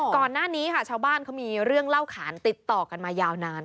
ก่อนหน้านี้ค่ะชาวบ้านเขามีเรื่องเล่าขานติดต่อกันมายาวนาน